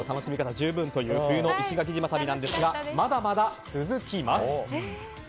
十分の冬の石垣島旅なんですがまだまだ続きます。